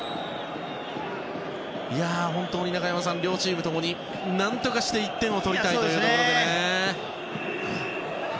本当に、両チーム共に何とかして１点を取りたいというところで。